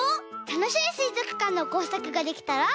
たのしいすいぞくかんのこうさくができたら。